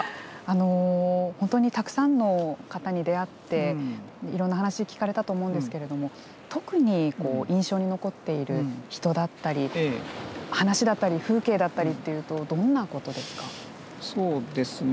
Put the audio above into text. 本当にたくさんの方に出会って、いろんな話を聞かれたと思うんですけれども特に印象に残っている人だったり、話だったり風景だったりというとそうですね。